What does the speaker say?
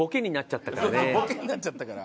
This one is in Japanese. ボケになっちゃったから。